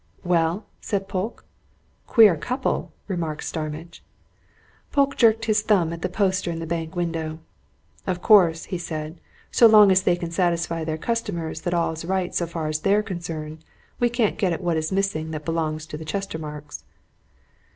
"Well?" said Polke. "Queer couple!" remarked Starmidge. Polke jerked his thumb at the poster in the bank window. "Of course!" he said, "so long as they can satisfy their customers that all's right so far as they're concerned, we can't get at what is missing that belongs to the Chestermarkes."